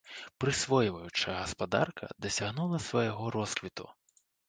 Прысвойваючая гаспадарка дасягнула свайго росквіту.